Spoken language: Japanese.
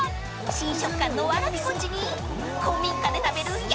［新食感のわらび餅に古民家で食べる薬膳おでん］